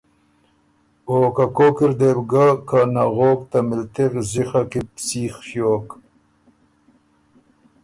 او که کوک اِر دې بو ګۀ که نغوک ته مِلتِغ زِخه کی بو سیخ ݭیوک